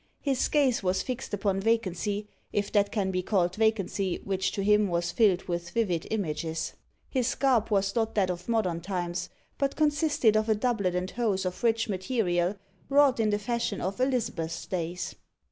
His gaze was fixed upon vacancy if that can he called vacancy which to him was filled with vivid images. His garb was not that of modern times, but consisted of a doublet and hose of rich material, wrought in the fashion of Elizabeth's days.